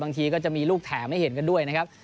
บางทีก็จะมีลูกแถมให้เห็นกันด้วยนะครับ